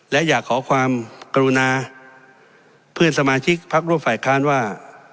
และอยากขอความกรุณาเพื่อนสมาชิกพักร่วมฝ่ายค้านว่า